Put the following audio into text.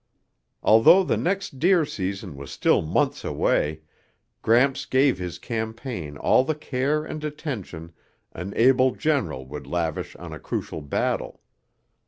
Although the next deer season was still months away, Gramps gave his campaign all the care and attention an able general would lavish on a crucial battle.